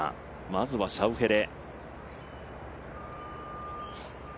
まずはシャウフェレ。